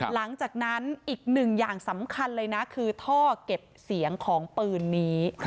หลังจากนั้นอีกหนึ่งอย่างสำคัญเลยนะคือท่อเก็บเสียงของปืนนี้